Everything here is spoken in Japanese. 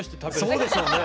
そうですよね。